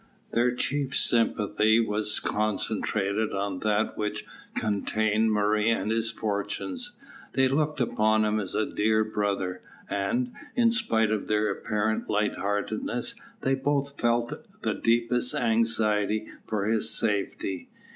Their chief sympathy was concentrated on that which contained Murray and his fortunes. They looked upon him as a dear brother, and, in spite of their apparent light heartedness, they both felt the deepest anxiety for his safety.